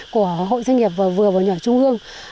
của hội doanh nghiệp vừa và nhỏ trung hương